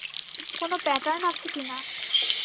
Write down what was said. কোন প্যাটার্ন আছে কিনা?